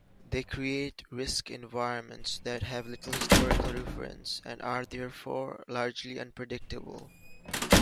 They create risk environments that have little historical reference, and are therefore largely unpredictable.